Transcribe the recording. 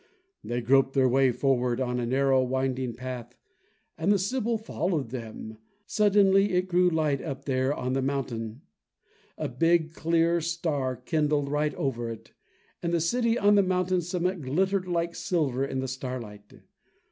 They groped their way forward on a narrow, winding path, and the sibyl followed them. Suddenly it grew light up there on the mountain: a big, clear star kindled right over it, and the city on the mountain summit glittered like silver in the starlight.